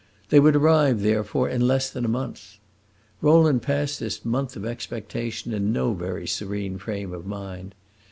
They would arrive, therefore, in less than a month. Rowland passed this month of expectation in no very serene frame of mind.